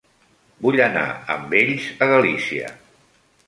Vull anar amb ells a Galícia.